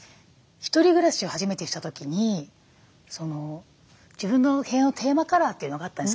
１人暮らしを初めてした時に自分の部屋のテーマカラーというのがあったんです。